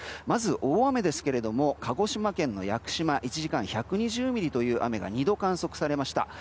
まず大雨ですが鹿児島県の屋久島１時間１２０ミリという雨が２度観測されました。